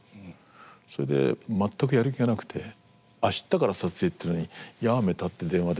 それで全くやる気がなくて明日から撮影ってのに「やめた」って電話で断っちゃった。